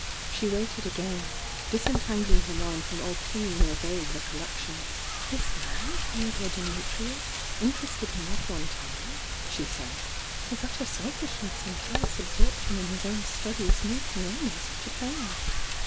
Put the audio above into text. She waited again, disentangling her mind from all clinging or vague recollections. "This man, F^odor Dimitrius, intpr«»8ted n>o at one time," she said. "His utter selfishness and calloas absorption in his own studies moved me almost to pain.